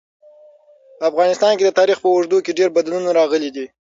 په افغانستان کي د تاریخ په اوږدو کي ډېر بدلونونه راغلي دي.